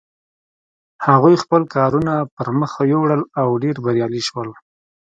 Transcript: هغوی خپل کارونه پر مخ یوړل او ډېر بریالي شول.